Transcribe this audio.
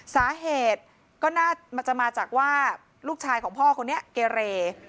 สาเหตุก็น่าจะมาจากว่าลูกชายของพ่อคนนี้เกเร